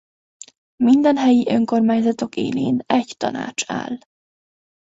Minden helyi önkormányzatok élén egy tanács áll.